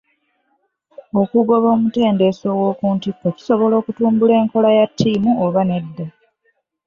Okugoba omutendesi ow'oku ntikko kisobola okutumbula enkola ya ttiimu oba nedda?